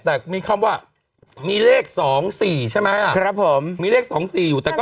แต่มีคำว่ามีเลขสองสี่ใช่ไหมอ่ะครับผมมีเลขสองสี่อยู่แต่ก็